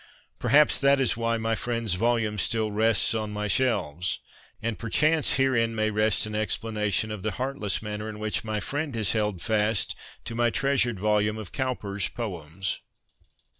Perhaps that is why my friend's volume still rests on my shelves. And perchance herein may rest an explanation of the heartless manner in which my friend has held fast to my treasured volume of Cowper's poems.